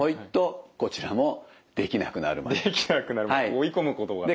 追い込むことが大事。